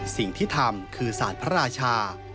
สิ่งที่ทำคือสารพระราชา